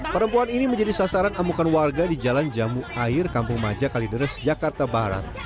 perempuan ini menjadi sasaran amukan warga di jalan jamu air kampung maja kalideres jakarta barat